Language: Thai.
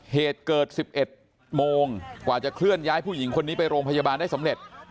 เหตุเกิด๑๑โมงกว่าจะเคลื่อนย้ายผู้หญิงคนนี้ไปโรงพยาบาลได้สำเร็จ